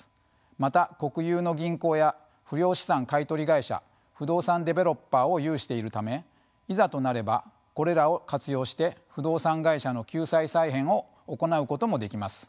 また国有の銀行や不良資産買い取り会社不動産デベロッパーを有しているためいざとなればこれらを活用して不動産会社の救済・再編を行うこともできます。